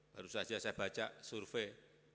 baru saja saya baca survei